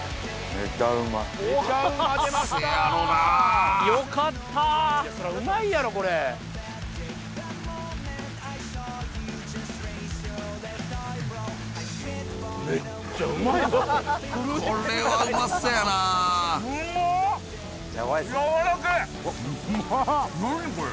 めっちゃうまいぞ、これ。